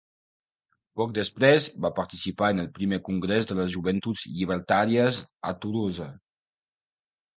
Poc després, va participar en el primer Congrés de les Joventuts Llibertàries a Tolosa.